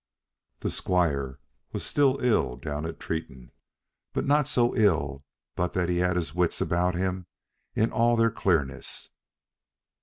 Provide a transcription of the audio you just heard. The squire was still ill down at Tretton, but not so ill but that he had his wits about him in all their clearness.